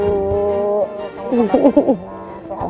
selamat datang kembali bu